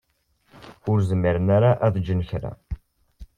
Ur zmiren ara ad gen kra.